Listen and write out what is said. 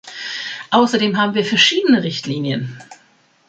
Außerdem haben wir verschiedene Richtlinien.